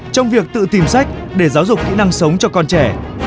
trong việc tự tìm sách để giáo dục kỹ năng sống cho con trẻ